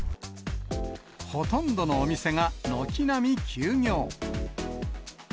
ほとんどのお店が軒並み休業。